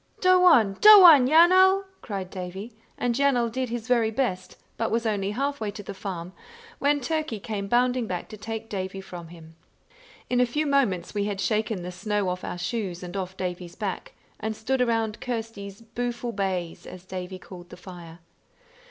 "Doe on, doe on, Yanal!" cried Davie; and Yanal did his very best, but was only halfway to the farm, when Turkey came bounding back to take Davie from him. In a few moments we had shaken the snow off our shoes and off Davie's back, and stood around Kirsty's "booful baze", as Davie called the fire.